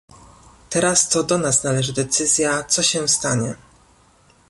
Teraz to do nas należy decyzja, co się stanie